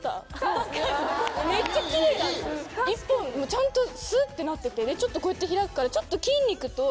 ちゃんとスッてなっててちょっとこうやって開くからちょっと。